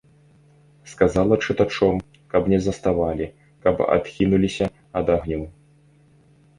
Сказала чытачом, каб не заставалі, каб адхінуліся ад агню.